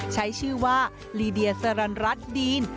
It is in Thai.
ใช้ชื่อว่าลีเดียสรรรัสดีน